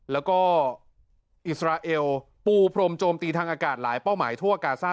แล้วก็อิสราเอลปูพรมโจมตีทางอากาศหลายเป้าหมายทั่วกาซ่า